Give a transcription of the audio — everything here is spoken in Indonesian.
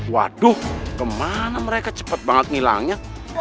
waduh kemana mereka cepat banget ngilangnya